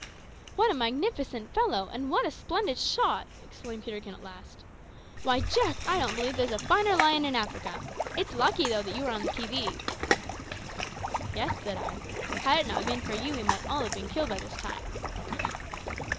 "What a magnificent fellow! And what a splendid shot!" exclaimed Peterkin at last. "Why, Jack, I don't believe there's a finer lion in Africa. It's lucky, though, that you were on the qui vive." "Yes," said I; "had it not been for you we might have been all killed by this time."